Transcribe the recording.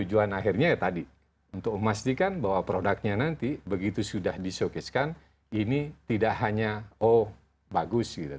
tujuan akhirnya ya tadi untuk memastikan bahwa produknya nanti begitu sudah di showcasekan ini tidak hanya oh bagus gitu